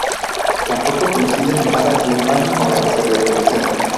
Tampoco coinciden en nada la imagen con la que se les representa.